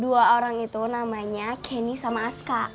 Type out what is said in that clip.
dua orang itu namanya kenny sama aska